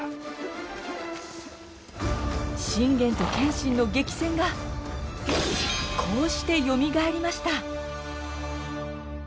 信玄と謙信の激戦がこうしてよみがえりました。